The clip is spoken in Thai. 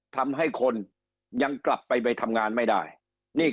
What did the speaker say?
ทำให้คนยังกลับไปไปทำงานไม่ได้นี่